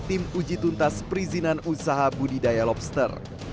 tim uji tuntas perizinan usaha budidaya lobster